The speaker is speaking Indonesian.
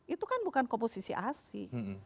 itu kan bukan komposisi asi